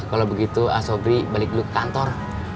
kalau begitu asobri balik dulu ke kantor